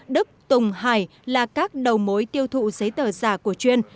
đức tùng hải là các đầu mối tiêu thụ giấy tờ giả của chuyên